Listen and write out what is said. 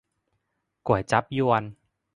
ก๋วยจั๊บญวน